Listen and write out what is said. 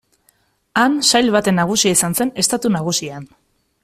Han sail baten nagusia izan zen Estatu Nagusian.